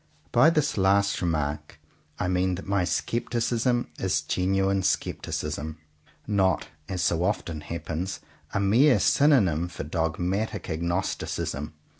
By this last remark I mean that my scepticism is genuine scepticism; not, as so often happens, a mere synonym for dogmatic agnosticism.